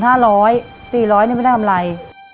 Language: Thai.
๔๐๐เนี่ยไม่ได้ทำไร